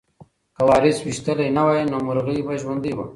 که وارث ویشتلی نه وای نو مرغۍ به ژوندۍ وه.